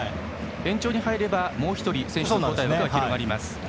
延長に入れば、もう１人選手交代の枠は広がります。